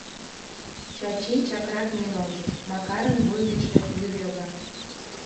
Чачи чакырак миен ончыш: Макарын вуй гычше вӱр йога.